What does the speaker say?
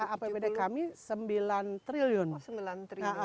apbd kami sembilan triliun